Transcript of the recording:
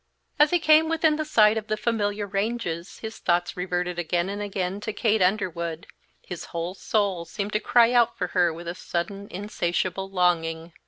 As he came within sight of the familiar ranges his thoughts reverted again and again to Kate Underwood. His whole soul seemed to cry out for her with a sudden, insatiable longing.